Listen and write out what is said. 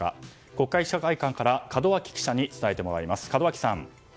国会記者会館から門脇記者に伝えてもらいます。